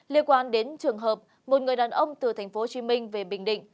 liên quan đến trường hợp một người đàn ông từ tp hcm về bình định